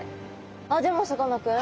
でもさかなクン。